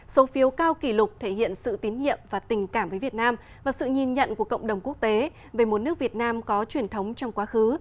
số phiếu cao kỷ lục thể hiện sự tín nhiệm và tình cảm với việt nam và sự nhìn nhận của cộng đồng quốc tế về một nước việt nam có truyền thống trong quá khứ